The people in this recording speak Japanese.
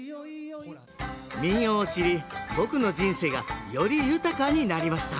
民謡を知り僕の人生がより豊かになりました